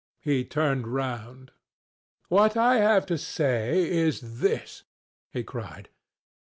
He turned round. "What I have to say is this," he cried.